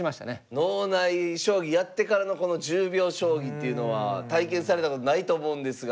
脳内将棋やってからのこの１０秒将棋っていうのは体験されたことないと思うんですが。